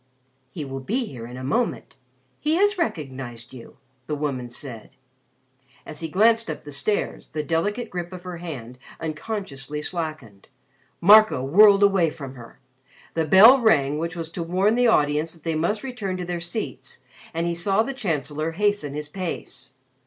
"He will be here in a moment. He has recognized you," the woman said. As he glanced up the stairs, the delicate grip of her hand unconsciously slackened. Marco whirled away from her. The bell rang which was to warn the audience that they must return to their seats and he saw the Chancellor hasten his pace.